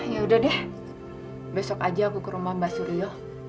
ya udah deh besok aja aku ke rumah mbak suryo